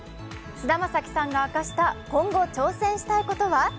菅田将暉さんが明かした今後、挑戦したいことは？